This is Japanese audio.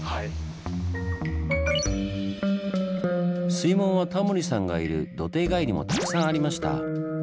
水門はタモリさんがいる土手以外にもたくさんありました。